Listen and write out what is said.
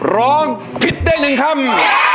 ร้องผิดได้๑คำ